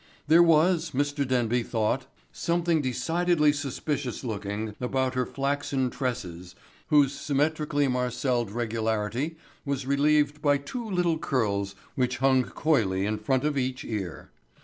There was, Mr. Denby thought, something decidedly suspicious looking about her flaxen tresses whose symmetrically marcelled regularity was relieved by two little curls which hung coyly in front of each ear.